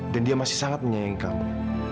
dan dia masih sangat menyayangi kamu